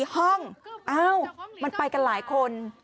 ๔ห้องเอ้ามันไปกันหลายคน